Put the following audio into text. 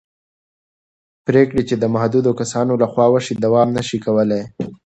پرېکړې چې د محدودو کسانو له خوا وشي دوام نه شي کولی